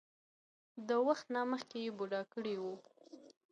د وخت نه مخکښې بوډا کړے وۀ ـ